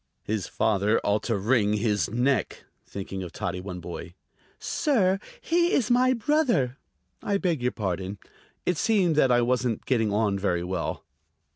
"His father ought to wring his neck," thinking of Toddy One Boy. "Sir, he is my brother!" "I beg your pardon." It seemed that I wasn't getting on very well.